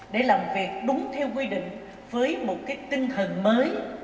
để làm việc đúng theo quy định với một cái tinh thần mới